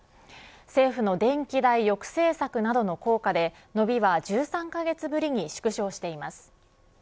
政府の電気代抑制策などの効果で伸びは１３カ月ぶりに縮小しています。